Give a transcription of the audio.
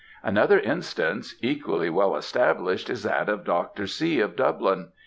"Another instance, equally well established, is that of Dr. C., of Dublin.